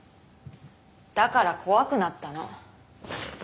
だから怖くなったの。